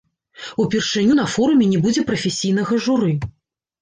Упершыню на форуме не будзе прафесійнага журы.